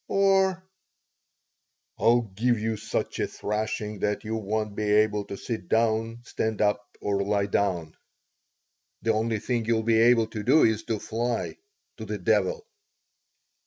Or, "I'll give you such a thrashing that you won't be able to sit down, stand up, or lie down. The only thing you'll be able to do is to fly to the devil."